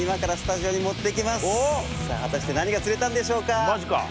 果たして何が釣れたんでしょうか？